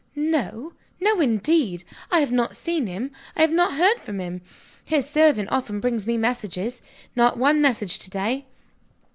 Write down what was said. "No! no indeed! I have not seen him; I have not heard from him. His servant often brings me messages. Not one message to day."